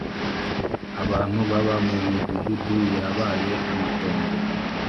abantu baba mu midugudu yabaye amatongo